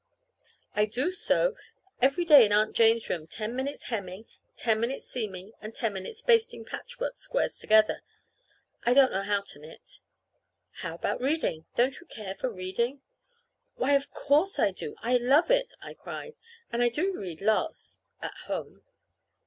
"I do sew every day in Aunt Jane's room, ten minutes hemming, ten minutes seaming, and ten minutes basting patchwork squares together. I don't know how to knit." "How about reading? Don't you care for reading?" "Why, of course I do. I love it!" I cried. "And I do read lots at home."